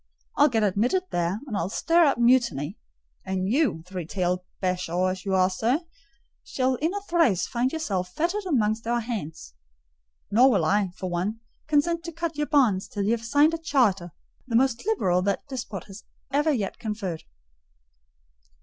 I'll get admitted there, and I'll stir up mutiny; and you, three tailed bashaw as you are, sir, shall in a trice find yourself fettered amongst our hands: nor will I, for one, consent to cut your bonds till you have signed a charter, the most liberal that despot ever yet conferred."